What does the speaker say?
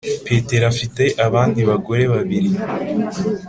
petero afite abandi bagore babiri.